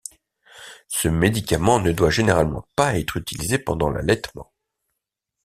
Ce médicament ne doit généralement pas être utilisé pendant l'allaitement.